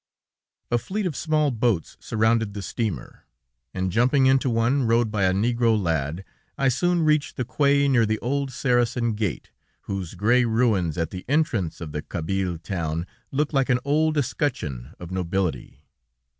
A fleet of small boats surrounded the steamer, and, jumping into one rowed by a negro lad, I soon reached the quay near the old Saracen gate, whose gray ruins at the entrance of the Kabyle town, looked like an old escutcheon of nobility.